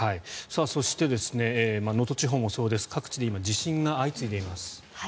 そして能登地方もそうです各地で今、地震が相次いでいます。